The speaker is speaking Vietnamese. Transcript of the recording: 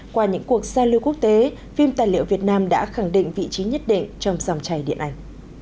qua những cuộc xa lưu quốc tế phim tài liệu việt nam đã khẳng định vị trí nhất định trong dòng chảy điện ảnh